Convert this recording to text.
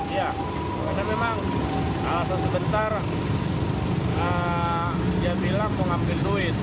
iya karena memang alasan sebentar dia bilang mau ngambil duit